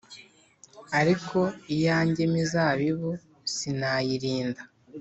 ariko iyanjye mizabibu sinayirinda.